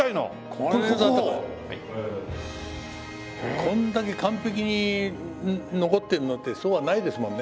これだけ完璧に残ってるのってそうはないですもんね。